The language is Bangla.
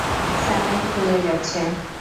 স্যালাইন ফুরিয়ে যাচ্ছে।